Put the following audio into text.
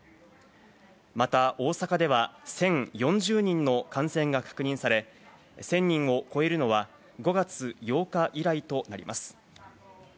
また、大阪では１０４０人の感染が確認され、１０００人を超えるのは５月８日以来となります。